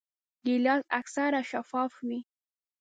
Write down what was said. ګیلاس اکثره شفاف وي.